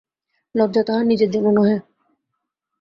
লজ্জা তাহার নিজের জন্য নহে।